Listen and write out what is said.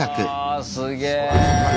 あすげえ。